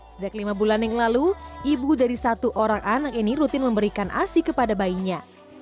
sejak lima bulan yang lalu ibu dari satu orang anak ini rutin memberikan asi kepada bayinya